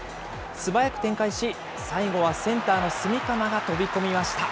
素早く展開し、最後はセンターの炭竈が飛び込みました。